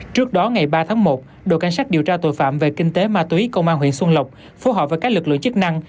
trước đó ngày ba tháng một đội cảnh sát điều tra tội phạm về kinh tế ma túy công an huyện xuân lộc phối hợp với các lực lượng chức năng